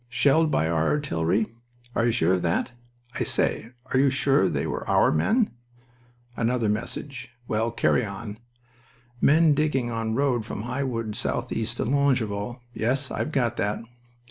'Shelled by our artillery.' Are you sure of that? I say, are you sure they were our men? Another message. Well, carry on. 'Men digging on road from High Wood southeast to Longueval.' Yes, I've got that.